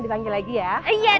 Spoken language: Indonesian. dipanggil lagi ya iya dong ya bu